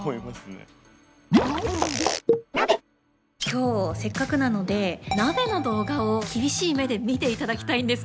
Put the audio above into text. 今日せっかくなので「ＮＡＢＥ」の動画を厳しい目で見ていただきたいんですけれども。